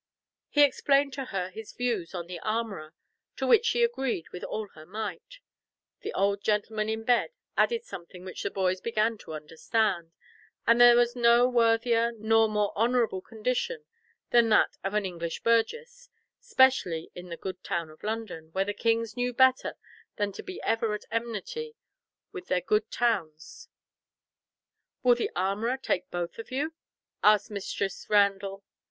He explained to her his views on the armourer, to which she agreed with all her might, the old gentleman in bed adding something which the boys began to understand, that there was no worthier nor more honourable condition than that of an English burgess, specially in the good town of London, where the kings knew better than to be ever at enmity with their good towns. "Will the armourer take both of you?" asked Mistress Randall.